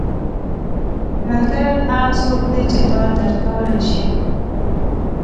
• ملګری هغه څوک دی چې تا درک کولی شي.